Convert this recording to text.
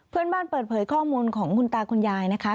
เพื่อนบ้านเปิดเผยข้อมูลของคุณตาคุณยายนะคะ